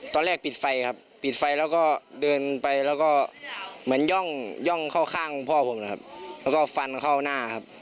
ตอนแรกปิดไฟครับปิดไฟแล้วก็เดินไปแล้วก็เหมือนย่องเข้าข้างพ่อผมนะครับแล้วก็ฟันเข้าหน้าครับ